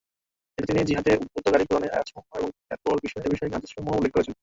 এতে তিনি জিহাদে উদ্বুদ্ধকারী কুরআনের আয়াতসমূহ এবং এরপর এ বিষয়ক হাদীসসমূহ উল্লেখ করেছেন।